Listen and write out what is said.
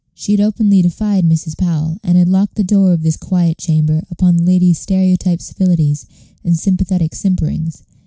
She had openly defied Mrs. Powell, and had locked the door of this quiet chamber upon that lady's stereotyped civilities and sympathetic simperings.